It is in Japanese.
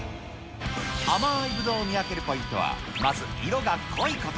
甘いぶどうを見分けるポイントは、まず色が濃いこと。